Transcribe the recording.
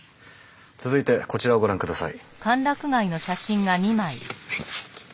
続いてこちらをご覧下さい。